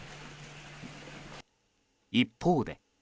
一方で。